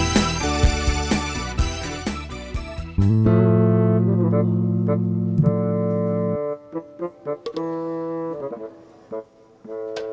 ya tim waalaikumsalam